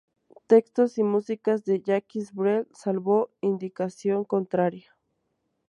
Textos y músicas de Jacques Brel, salvo indicación contraria.